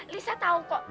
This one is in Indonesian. lisa tahu kok